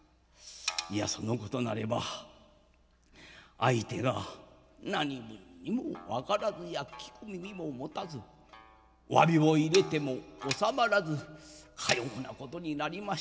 いやそのことなれば相手が何分にもわからず屋聞く耳も持たずわびを入れても収まらずかようなことになりましてござります」。